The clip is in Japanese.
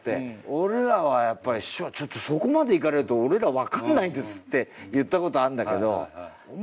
俺らは「師匠そこまでいかれると俺ら分かんないです」って言ったことあんだけど。